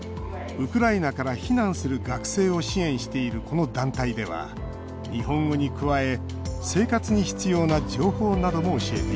ウクライナから避難する学生を支援しているこの団体では日本語に加え生活に必要な情報なども教えています